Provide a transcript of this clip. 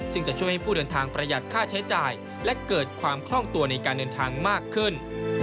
ซึ่งจะช่วยให้ผู้เดินทางประหยัดค่าใช้จ่ายและเกิดความคล่องตัวในการเดินทางมากขึ้น